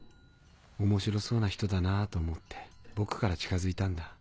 面白そうな人だなぁと思って僕から近づいたんだ。